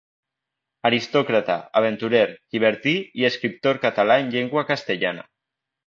Aristòcrata, aventurer, llibertí i escriptor català en llengua castellana.